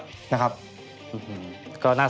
พี่แดงก็พอสัมพันธ์พูดเลยนะครับ